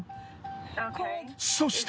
そして。